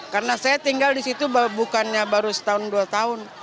karena saya tinggal di situ bukannya baru setahun dua tahun